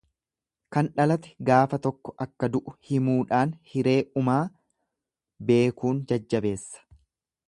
Kan dhalate gaafa tokko akka du'u himuudhaan hiree umaa beekuun jajjabeessa.